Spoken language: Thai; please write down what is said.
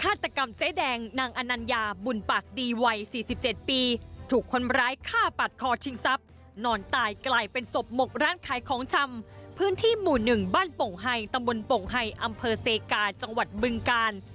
อัมเภอเซกาจังหวัดบึงกาล